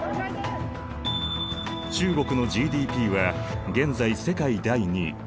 中国のＧＤＰは現在世界第２位。